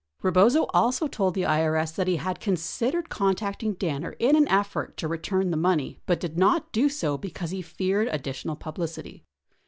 Rebozo also told the IRS that he had considered contacting Danner in an effort to return the money but did not do so because he feared additional pub licity.